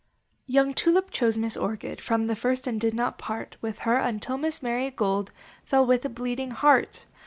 Young Tulip chose Miss Orchid From the first, and did not part With her until Miss Mary Gold Fell with a Bleeding Heart.